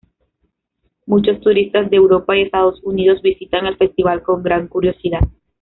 Muchos turistas de Europa y Estados Unidos visitan el festival con gran curiosidad.